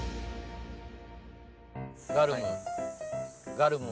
ガルム。